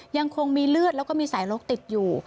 ยังคงมีเลือดแล้วก็มีสายลกติดอยู่